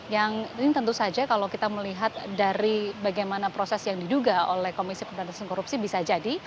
yang ini tentu saja kalau kita melihat dari bagaimana proses yang diduga oleh komisi pemberantasan korupsi bisa jadi